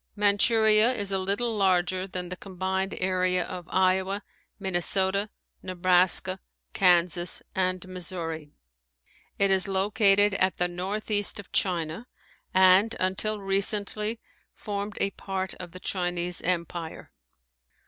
Manchuria is a little larger than the combined area of Iowa, Minnesota, Nebraska, Kansas, and Missouri. It is located at the northeast of China and until recently formed a part of the Chinese Empire.